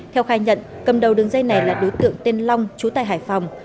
theo khai nhận cầm đầu đường dây này là đối tượng tên long chú tại hải phòng